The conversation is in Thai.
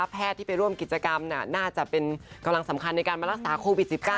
แพทย์ที่ไปร่วมกิจกรรมน่าจะเป็นกำลังสำคัญในการมารักษาโควิด๑๙